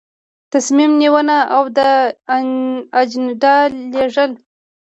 تصمیم نیونه او د اجنډا لیږل.